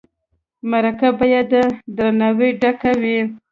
مرکه باید له درناوي ډکه وي.